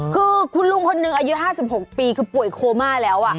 คือคุณลุงคนหนึ่งอายุ๕๖ปีคือป่วยโคม่าแล้ว